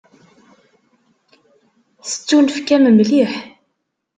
Tettunefk-am mliḥ.